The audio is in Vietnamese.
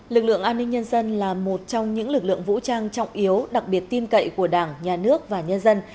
lực lượng an ninh nhân dân là một trong những lực lượng vũ trang trọng yếu đặc biệt tin cậy của đảng nhà nước và nhân dân